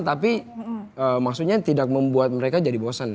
tapi maksudnya tidak membuat mereka jadi bosan